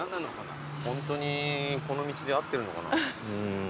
ホントにこの道で合ってるのかな？